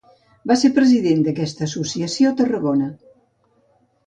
Va ser president d'aquesta associació a Tarragona.